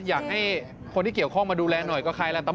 อยากให้คนที่เกี่ยวข้องมาดูแลหน่อยก็ใครล่ะ